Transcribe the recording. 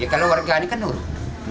ya kalau warga ini kan nurut